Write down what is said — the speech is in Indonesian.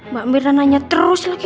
mbak mirna nanya terus lagi